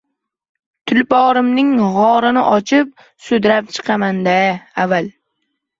Tulporimning go‘rini ochib, sudrab chiqaman-da, avval